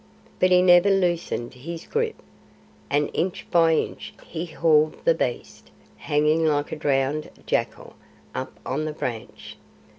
But he never loosed his grip, and inch by inch he hauled the beast, hanging like a drowned jackal, up on the branch.